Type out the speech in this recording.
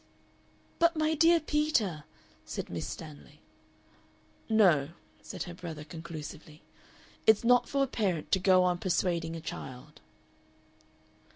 "But, my dear Peter!" said Miss Stanley. "No," said her brother, conclusively, "it's not for a parent to go on persuading a child."